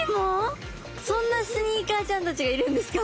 そんなスニーカーちゃんたちがいるんですか。